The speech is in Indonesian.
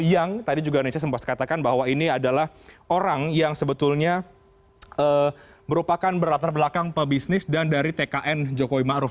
yang tadi juga nesya sempat katakan bahwa ini adalah orang yang sebetulnya merupakan berlatar belakang pebisnis dan dari tkn jokowi ⁇ maruf ⁇